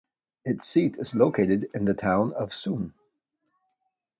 Its seat is located in the town of Sunne.